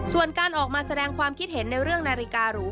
ส่วนการออกมาแสดงความคิดเห็นในเรื่องนาฬิการู